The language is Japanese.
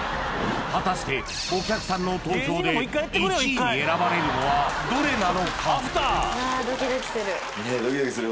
果たしてお客さんの投票で１位に選ばれるのはどれなのか？